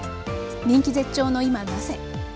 人気絶頂の今、なぜ。